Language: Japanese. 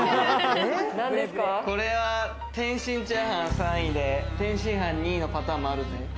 これは天津チャーハン３位で、天津飯２位のパターンもあるぜ。